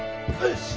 はい。